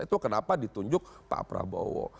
itu kenapa ditunjuk pak prabowo